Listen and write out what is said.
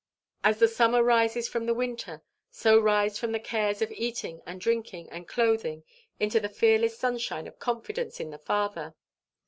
As the summer rises from the winter, so rise thou from the cares of eating and drinking and clothing into the fearless sunshine of confidence in the Father.